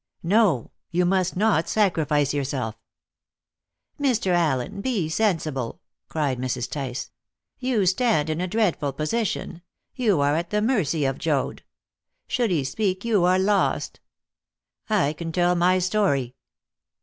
"No. You must not sacrifice yourself." "Mr. Allen, be sensible!" cried Mrs. Tice. "You stand in a dreadful position; you are at the mercy of Joad. Should he speak you are lost." "I can tell my story."